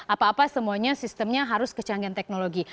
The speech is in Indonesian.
apa apa semuanya sistemnya harus kecanggihan teknologi